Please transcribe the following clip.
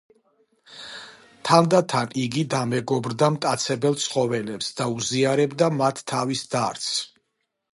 თანდათან იგი დამეგობრდა მტაცებელ ცხოველებს და უზიარებდა მათ თავის დარდს.